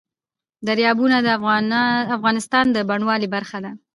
دریابونه د افغانستان د بڼوالۍ برخه ده.